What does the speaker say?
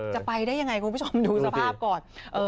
จะไปได้ยังไงคุณผู้ชมดูสภาพก่อน